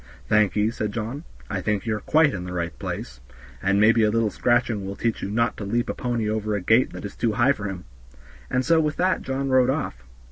"Thank ye," said John, "I think you are quite in the right place, and maybe a little scratching will teach you not to leap a pony over a gate that is too high for him," and so with that John rode off.